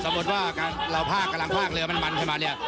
สมมติว่าเราพากกำลังพากเรือมันมันขนาดนี้